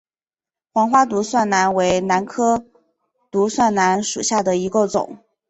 黄花独蒜兰为兰科独蒜兰属下的一个种。